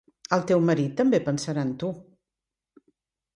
El teu marit també pensarà en tu!